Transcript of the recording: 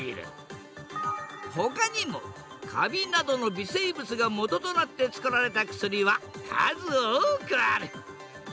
ほかにもカビなどの微生物がもととなってつくられた薬は数多くある。